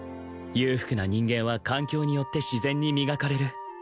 裕福な人間は環境によって自然に磨かれる